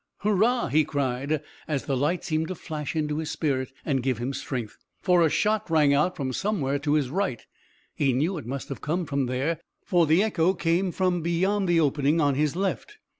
"Hurrah!" he cried, as the light seemed to flash into his spirit and give him strength, for a shot rang out from somewhere to his right. He knew it must come from there, for the echo came from beyond the opening on his left.